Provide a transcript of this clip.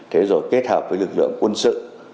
thế rồi kết hợp với lực lượng quân sự